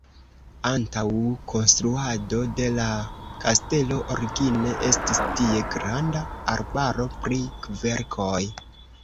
Antaŭ konstruado de la kastelo origine estis tie granda arbaro pri kverkoj.